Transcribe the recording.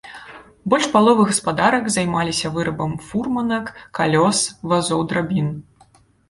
Больш паловы гаспадарак займаліся вырабам фурманак, калёс, вазоў драбін.